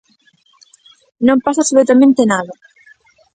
Non pasa absolutamente nada.